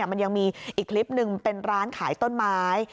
มันยังมีอีกคลิปหนึ่งเป็นร้านขายต้นไม้